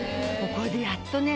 これでやっとね。